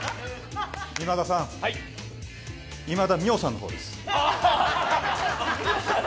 今田さん、今田美桜さんの方です。